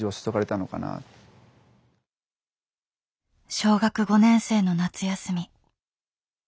小学５年生の夏休み。